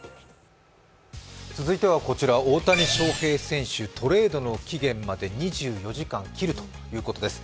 続いては大谷翔平選手トレードの期限まで２４時間を切るということです。